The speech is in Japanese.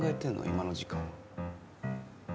今の時間は。